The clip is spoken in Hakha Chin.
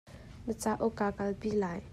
Na cauk kaa kalpi lai.